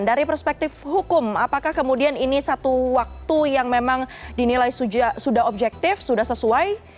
dari perspektif hukum apakah kemudian ini satu waktu yang memang dinilai sudah objektif sudah sesuai